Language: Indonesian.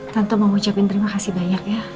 karena kamu udah banyak sekali membantu elsa